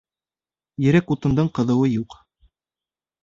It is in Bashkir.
Ерек утындың ҡыҙыуы юҡ